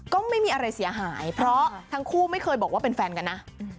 ก็ไม่มีอะไรเสียหายเพราะทั้งคู่ไม่เคยบอกว่าเป็นแฟนกันนะ